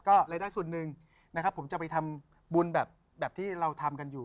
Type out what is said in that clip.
ก็รายได้ส่วนหนึ่งนะครับผมจะไปทำบุญแบบที่เราทำกันอยู่